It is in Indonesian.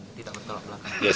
tidak bertolak belakang